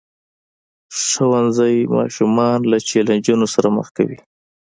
ښوونځی ماشومان له چیلنجونو سره مخ کوي.